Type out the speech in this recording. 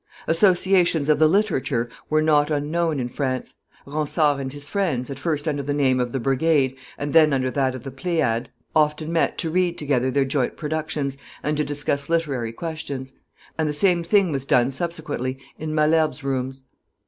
Associations of the literary were not unknown in France; Ronsard and his friends, at first under the name of the brigade and then under that of the Pleiad, often met to read together their joint productions, and to discuss literary questions; and the same thing was done, subsequently, in Malherbe's rooms.